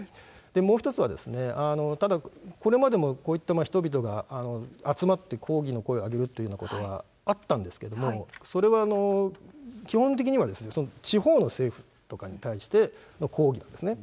もう一つはですね、ただ、これまでもこういった人々が集まって抗議の声を上げるというようなことはあったんですけども、それは基本的には、地方の政府とかに対しての抗議なんですね。